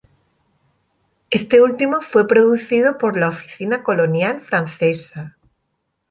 Este último fue producido por la Oficina Colonial francesa.